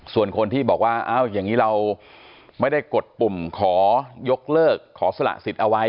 ส่วนคนที่บอกว่าอย่างนี้เราไม่ได้กดปุ่มขอยกเลิกขอสละสิทธิ์เอาไว้